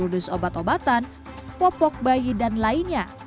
empat ratus enam puluh dus obat obatan popok bayi dan lainnya